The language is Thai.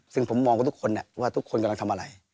ซึ่งผมมองกับทุกคนว่าทุกคนกำลังทำอะไร